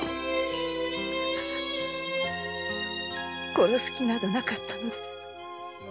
殺す気などなかったのです。